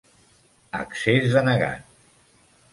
Accés denegat.